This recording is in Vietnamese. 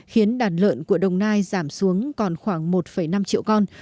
khiến đàn lợn của đồng nai giảm xuống còn khoảng một năm triệu con